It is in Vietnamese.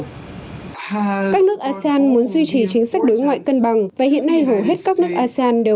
các nước asean muốn duy trì chính sách đối ngoại cân bằng và hiện nay hầu hết các nước asean đều